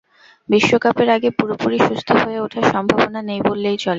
বিশ্বকাপের আগে পুরোপুরি সুস্থ হয়ে ওঠার সম্ভাবনা নেই বললেই চলে।